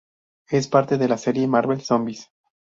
Es parte de la serie Marvel Zombies.